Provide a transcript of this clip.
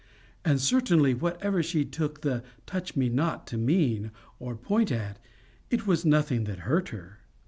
And certainly whatever she took the TOUCH ME NOT to mean or point at, it was nothing that hurt her.